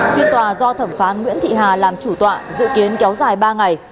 phiên tòa do thẩm phán nguyễn thị hà làm chủ tọa dự kiến kéo dài ba ngày